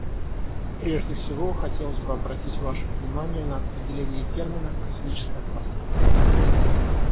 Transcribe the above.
Прежде всего хотелось бы обратить ваше внимание на определение термина "космическое пространство".